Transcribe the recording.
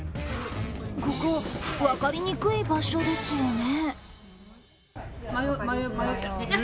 ここ、分かりにくい場所ですよね？